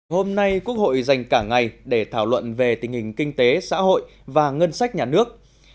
hôm nay quốc hội dành cả ngày để thảo luận về tình hình kinh tế xã hội và ngân sách nhà nước